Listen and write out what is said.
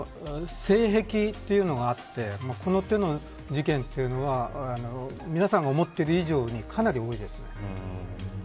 性癖というのがあってこの手の事件というのは皆さんが思っている以上にかなり多いです。